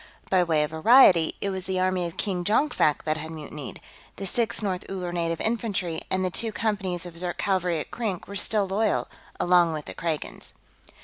By way of variety, it was the army of King Jonkvank that had mutinied; the Sixth North Uller Native Infantry and the two companies of Zirk cavalry at Krink were still loyal, along with the Kragans.